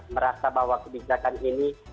merasa bahwa kebijakan ini